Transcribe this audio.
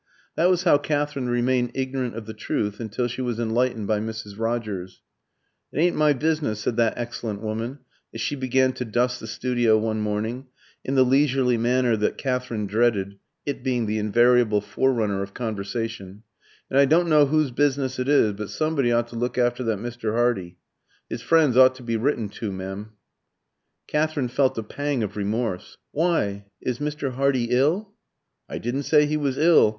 That was how Katherine remained ignorant of the truth until she was enlightened by Mrs. Rogers. "It yn't my business," said that excellent woman, as she began to dust the studio one morning, in the leisurely manner that Katherine dreaded, it being the invariable forerunner of conversation, "and I don't know who's business it is, but somebody ought to look after that Mr. 'Ardy. 'Is friends ought to be written to, m'm." Katherine felt a pang of remorse. "Why? Is Mr. Hardy ill?" "I didn't say he was ill.